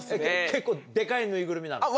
結構デカいぬいぐるみなの？